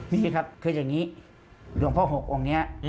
นี่สิครับคืออย่างนี้หลวงพ่อ๖องค์นี้